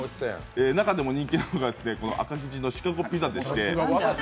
中でも人気なのが、この赤生地のシカゴピザでして。